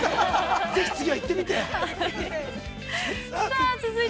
ぜひ次は行ってみて。